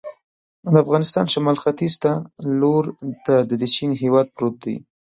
د افغانستان شمال ختیځ ته لور ته د چین هېواد پروت دی.